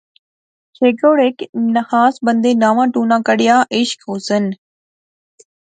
چھیکڑ ہیک خاص بندے ناواں ٹونا کھڈیا، عشق، حسن